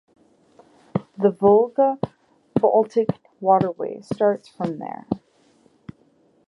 The Volga-Baltic Waterway starts from there.